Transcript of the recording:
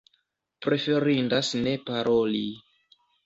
Preferindas ne paroli.